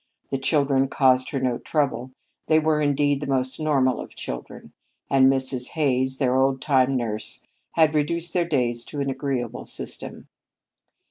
The children caused her no trouble. They were, indeed, the most normal of children, and Mrs. Hays, their old time nurse, had reduced their days to an agreeable system.